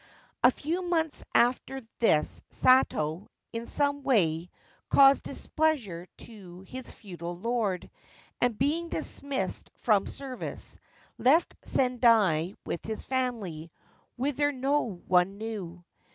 A few months after this Saito, in some way, caused displeasure to his feudal lord, and, being dismissed from service, left Sendai with his family — whither no one knew.